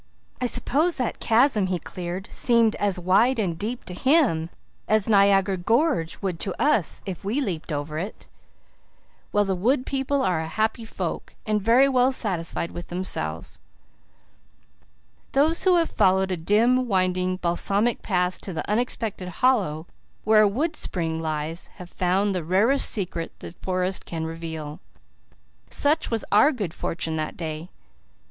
I suppose that chasm he cleared seemed as wide and deep to him as Niagara Gorge would to us if we leaped over it. Well, the wood people are a happy folk and very well satisfied with themselves." Those who have followed a dim, winding, balsamic path to the unexpected hollow where a wood spring lies have found the rarest secret the forest can reveal. Such was our good fortune that day.